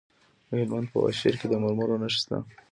د هلمند په واشیر کې د مرمرو نښې شته.